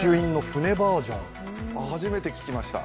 初めて聞きました。